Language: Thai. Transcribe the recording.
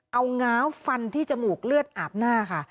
เอาง้าวฟันที่จมูกเลือดอาบหน้าค่ะ